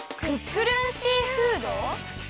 クックルンシーフード？